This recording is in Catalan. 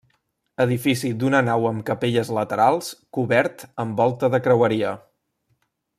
Edifici d'una nau amb capelles laterals cobert amb volta de creueria.